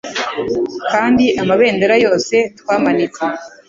Kandi amabendera yose twamanitse,